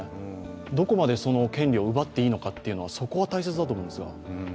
どこまで権利を奪っていいのかというのは、大切だと思います。